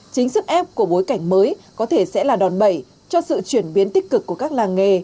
chính sức ép của bối cảnh mới có thể sẽ là đòn bẩy cho sự chuyển biến tích cực của các làng nghề